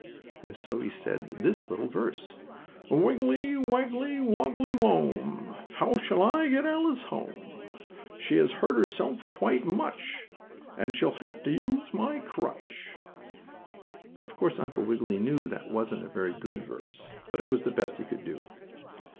So he said this little verse: "Wiggily, waggily, woggily wome, How shall I get Alice home? She has hurt herself quite much And she'll have to use my crutch." Of course, Uncle Wiggily knew that wasn't a very good verse, but it was the best he could do.